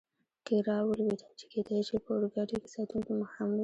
کې را ولوېد، چې کېدای شي په اورګاډي کې ساتونکي هم وي.